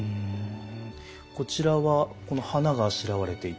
こちらはこの花があしらわれていて。